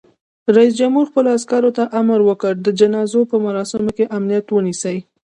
رئیس جمهور خپلو عسکرو ته امر وکړ؛ د جنازو په مراسمو کې امنیت ونیسئ!